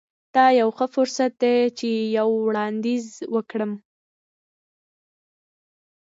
دا یو ښه فرصت دی چې یو وړاندیز وکړم